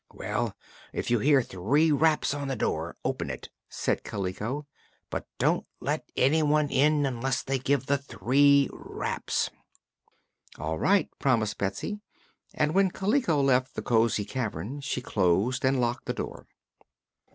"Well, if you hear three raps on the door, open it," said Kaliko; "but don't let anyone in unless they give the three raps." "All right," promised Betsy, and when Kaliko left the cosy cavern she closed and locked the door.